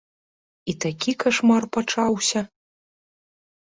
І такі кашмар пачаўся.